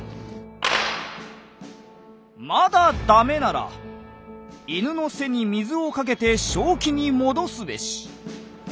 「まだ駄目なら犬の背に水をかけて正気に戻すべし」。